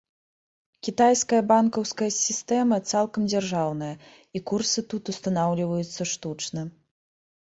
Кітайская банкаўская сістэма цалкам дзяржаўная, і курсы тут устанаўліваюцца штучна.